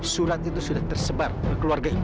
surat itu sudah tersebar ke keluarga ini